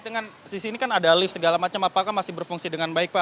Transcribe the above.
dengan sisi ini kan ada lift segala macam apakah masih berfungsi dengan baik pak